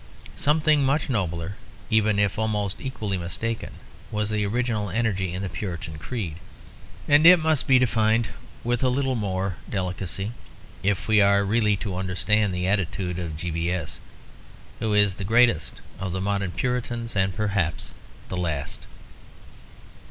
Something much nobler (even if almost equally mistaken) was the original energy in the Puritan creed. And it must be defined with a little more delicacy if we are really to understand the attitude of G. B. S., who is the greatest of the modern Puritans and perhaps the last.